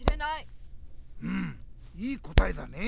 うんいいこたえだね！